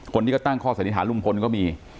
คนที่ก็ตั้งข้อสันนิษฐานลุงพลก็มี